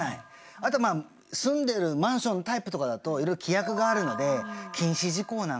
あとまあ住んでるマンションのタイプとかだといろいろ規約があるので禁止事項なんかはね